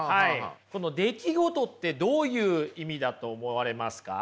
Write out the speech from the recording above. この出来事ってどういう意味だと思われますか？